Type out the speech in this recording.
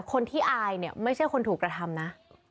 คนที่อายเนี่ยไม่ใช่คนถูกกระทำนะ